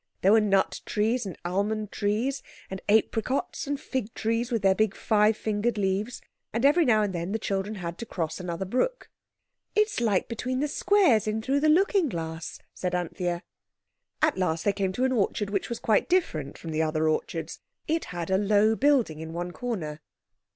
There were nut trees and almond trees, and apricots, and fig trees with their big five fingered leaves. And every now and then the children had to cross another brook. "It's like between the squares in Through the Looking glass," said Anthea. At last they came to an orchard which was quite different from the other orchards. It had a low building in one corner.